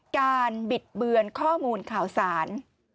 บิดเบือนข้อมูลข่าวสาร